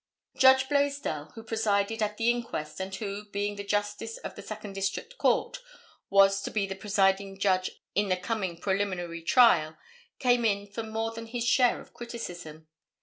[Illustration: TAUNTON JAIL.] Judge Blaisdell, who presided at the inquest and who, being the Justice of the Second District Court, was to be the presiding justice in the coming preliminary trial came in for more than his share of criticism.